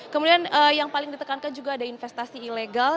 kemudian yang paling ditekankan juga ada investasi ilegal